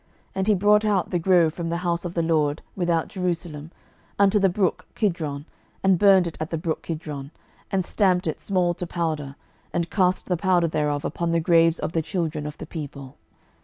12:023:006 And he brought out the grove from the house of the LORD, without Jerusalem, unto the brook Kidron, and burned it at the brook Kidron, and stamped it small to powder, and cast the powder thereof upon the graves of the children of the people.